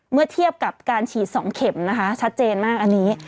เมื่อเทียบกับการฉีด๒เข็มนะคะชัดเจนมากอันนี้